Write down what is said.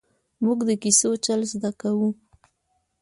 ـ مونږ د کیسو چل زده کاوه!